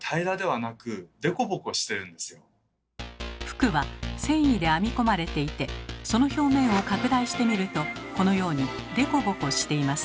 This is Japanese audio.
服は繊維で編み込まれていてその表面を拡大してみるとこのようにデコボコしています。